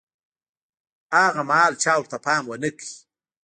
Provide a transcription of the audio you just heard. هاغه مهال چا ورته پام ونه کړ.